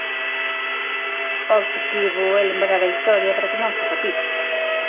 O obxectivo é lembrar a historia para que non se repita.